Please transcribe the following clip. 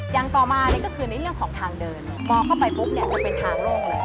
อย่างต่อมานี่ก็คือในเรื่องของทางเดินพอเข้าไปปุ๊บเนี่ยจะเป็นทางโล่งแล้ว